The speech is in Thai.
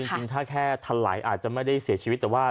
จริงถ้าแค่ทันไหลอาจจะไม่ได้เสียชีวิตแต่ว่า